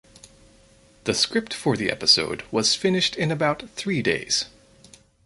The script for the episode was finished in about three days.